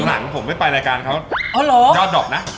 หลังผมเสื่อนไปรายการเพราะว่าเขายอดดบท์ละ